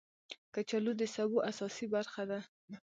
کچالو د سبو اساسي برخه ده